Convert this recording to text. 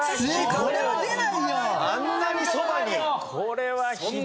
あんなにそばに。